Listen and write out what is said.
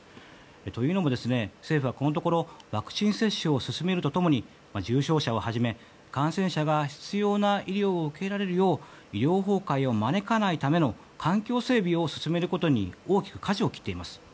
というのも、政府はこのところワクチン接種を進めると共に重症者をはじめ感染者が必要な医療を受けられるよう医療崩壊を招かないための環境整備を進めることに大きく舵を切っています。